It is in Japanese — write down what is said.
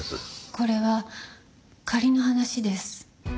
これは仮の話です。